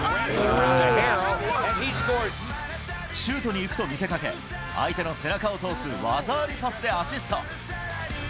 シュートにいくと見せかけ、相手の背中を通す技ありパスでアシスト。